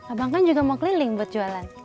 abang kan juga mau keliling buat jualan